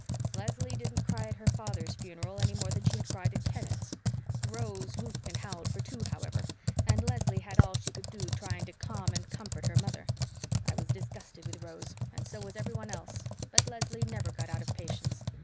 "Leslie didn't cry at her father's funeral any more then she had cried at Kenneth's. Rose whooped and howled for two, however, and Leslie had all she could do trying to calm and comfort her mother. I was disgusted with Rose and so was everyone else, but Leslie never got out of patience.